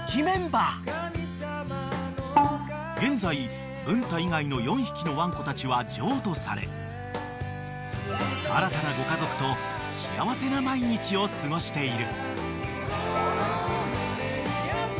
［現在文太以外の４匹のワンコたちは譲渡され新たなご家族と幸せな毎日を過ごしている］